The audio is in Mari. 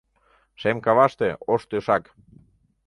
Шем каваште — ош тӧшак.